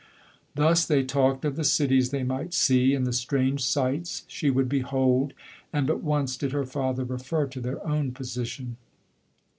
Thus they talked of the cities they might see, and the strange sights she would behold, and but once did her father refer to their own posi tion.